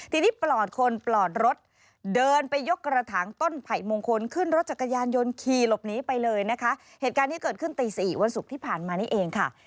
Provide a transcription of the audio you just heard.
ทีนี้ปลอดคนปลอดรถเดินไปยกกระถางต้นไผ่มงคลขึ้นรถจักรยานยนต์ขี่หลบหนีไปเลยนะคะเหตุการณ์ที่เกิดขึ้นตีสี่วันศุกร์ที่ผ่านมานี่เองค่ะ